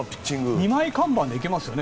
二枚看板で行けますよね。